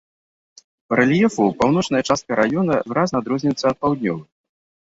Па рэльефу паўночная частка раёна выразна адрозніваецца ад паўднёвай.